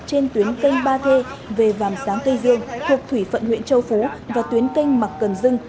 trên tuyến kênh ba thê về vàm sáng cây dương thuộc thủy phận huyện châu phú và tuyến kênh mạc cần dưng